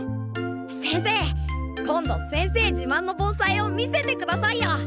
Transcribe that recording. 先生今度先生自まんの盆栽を見せてくださいよ。